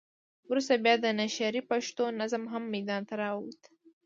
وروسته بیا د نشرې پښتو نظم هم ميدان ته راووت.